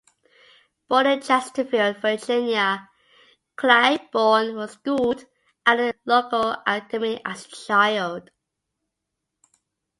Born in Chesterfield, Virginia, Claiborne was schooled at a local academy as a child.